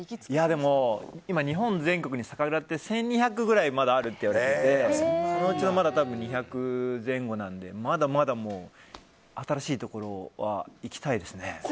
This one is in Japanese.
でも、今日本全国に酒蔵って１２００くらいあるといわれててそのうちまだ２００前後なのでまだまだ新しいところは行きたいですね。